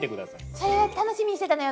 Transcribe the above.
それ楽しみにしていたのよ